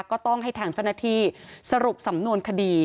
ก็ต้องให้ธั่งจตาธิสรุปสำนวนคดี